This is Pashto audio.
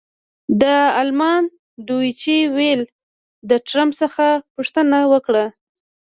د المان ډویچې وېلې د ټرمپ څخه پوښتنه وکړه.